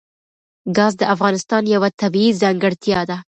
ګاز د افغانستان یوه طبیعي ځانګړتیا ده.